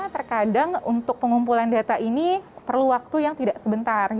terkadang untuk pengumpulan data ini perlu waktu yang tidak sebentar